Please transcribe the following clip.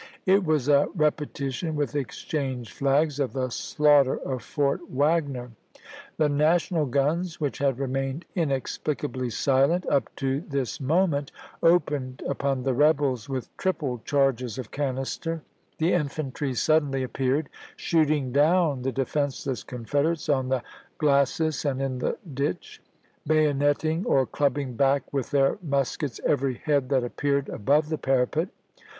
It was a repetition, with exchanged flags, of the slaughter of Fort Wagner. The National guns, which had remained inexplicably silent up to this moment, opened upon the rebels with triple charges of canister; the infantry suddenly appeared, shooting down the defenseless Con federates on the glacis and in the ditch, bayonet ing or clubbing back with their muskets every head that appeared above the parapet.